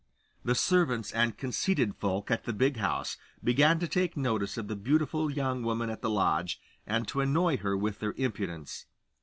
The servants and conceited folk at the big house began to take notice of the beautiful young woman at the lodge, and to annoy her with their impudence.